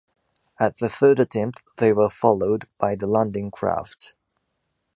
At the third attempt they were followed by the landing crafts.